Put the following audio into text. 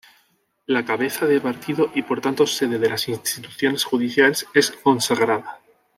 La cabeza de partido y por tanto sede de las instituciones judiciales es Fonsagrada.